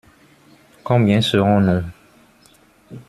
Combien serons-nous ?